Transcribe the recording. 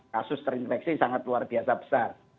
kasus terinfeksi sangat luar biasa besar